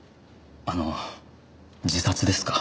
あの自殺ですか？